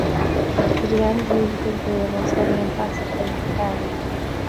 He began his musical career by studying classical guitar.